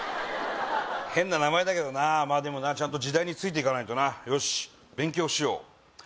ｔｏｍｉｘａ変な名前だけどなまあでもなちゃんと時代についていかないとよし勉強しよう